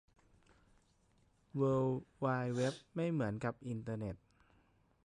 เวิล์ดไวด์เว็บไม่เหมือนกับอินเทอร์เน็ต